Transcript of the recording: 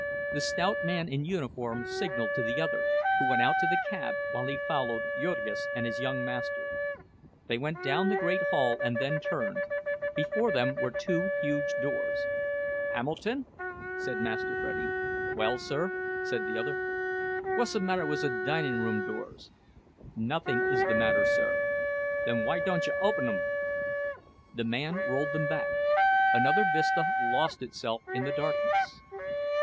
The stout man in uniform signaled to the other, who went out to the cab, while he followed Jurgis and his young master. They went down the great hall, and then turned. Before them were two huge doors. "Hamilton," said Master Freddie. "Well, sir?" said the other. "Whuzzamatter wizze dinin' room doors?" "Nothing is the matter, sir." "Then why dontcha openum?" The man rolled them back; another vista lost itself in the darkness.